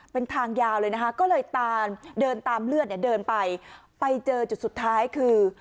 เป็นทางยาวเลยนะคะก็เลยตามเดินตามเลือดเนี่ยเดินไปไปเจอจุดสุดท้ายคือ